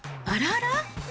あらあら。